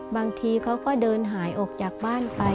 บางทีเขาก็เดินหายออกจากบ้านไป